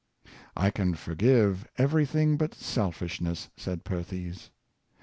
" I can forgive every thing but selfishness," said Perthes.